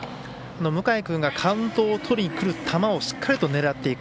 向井君がカウントをとりにくる球をしっかりと狙っていく。